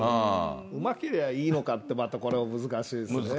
うまけりゃいいのかってまたこれ、難しいですね。